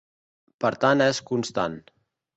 Per tant és constant.